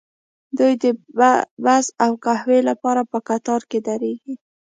دوی د بس او قهوې لپاره په قطار کې دریږي